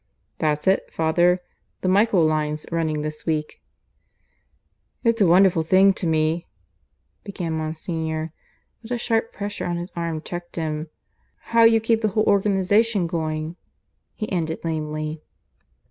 "That's it, father. The Michael line's running this week." "It's a wonderful thing to me " began Monsignor, but a sharp pressure on his arm checked him "how you keep the whole organization going," he ended lamely.